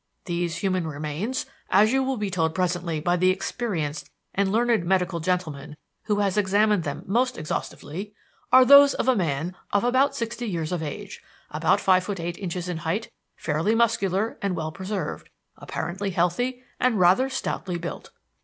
These human remains, as you will be told presently by the experienced and learned medical gentleman who has examined them most exhaustively, are those of a man of about sixty years of age, about five feet eight inches in height, fairly muscular and well preserved, apparently healthy, and rather stoutly built.